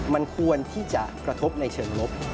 มันควรที่จะกระทบในเชิงลบ